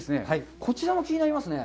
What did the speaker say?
こちらも気になりますね。